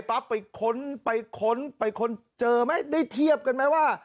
ไปปั๊บไปค้นเจอไหมได้เทียบกันไหมว่า